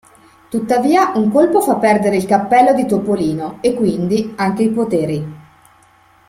Tuttavia un colpo fa perdere il cappello di Topolino, e quindi anche i poteri.